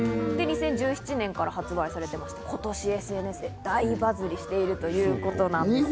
２０１７年から発売されてまして、今年ＳＮＳで大バズりしているということなんです。